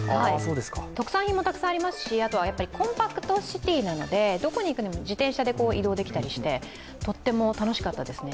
特産品もたくさんありますしコンパクトシティーなのでどこに行くにも自転車で移動できたりして、とっても楽しかったですね。